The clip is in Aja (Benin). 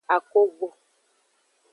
Akogo.